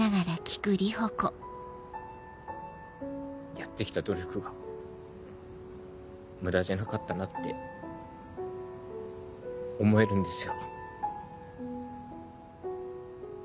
やって来た努力が無駄じゃなかったなって思えるんですよ。